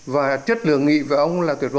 và chất lượng nghị với ông là tuyệt vời